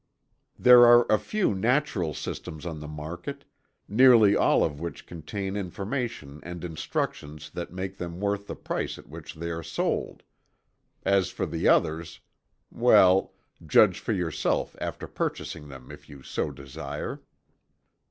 There are a few natural systems on the market, nearly all of which contain information and instruction that makes them worth the price at which they are sold. As for the others well, judge for yourself after purchasing them, if you so desire.